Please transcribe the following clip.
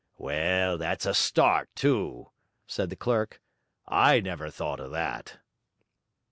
'Well, that's a start, too,' said the clerk. 'I never thought of that.'